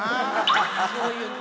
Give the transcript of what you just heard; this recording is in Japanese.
そういう。